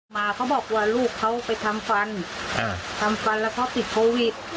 มาเขาบอกว่าลูกเขาไปทำฟันทำฟันแล้วเขาติดโควิด